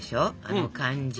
あの感じ。